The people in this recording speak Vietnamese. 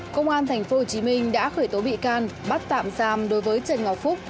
công an tp hcm đã khởi tố bị can bắt tạm giam đối với trần ngọc phúc